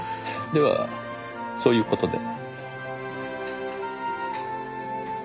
ではそういう事で。